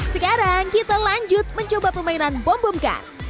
sekarang kita lanjut mencoba pemainan bom bom kart